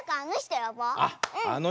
あっあの